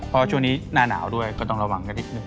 เพราะช่วงนี้หน้าหนาวด้วยก็ต้องระวังกันนิดนึ